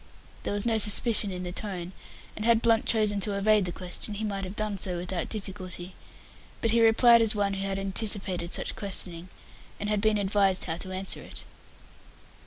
There was no suspicion in the tone, and had Blunt chosen to evade the question, he might have done so without difficulty, but he replied as one who had anticipated such questioning, and had been advised how to answer it.